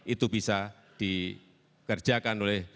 itu bisa dikerjakan oleh